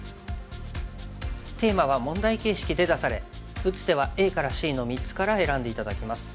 テーマは問題形式で出され打つ手はＡからＣの３つから選んで頂きます。